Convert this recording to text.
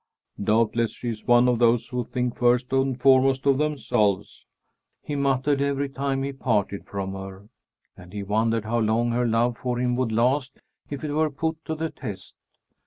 "Doubtless she is one of those who think first and foremost of themselves," he muttered every time he parted from her, and he wondered how long her love for him would last if it were put to the test.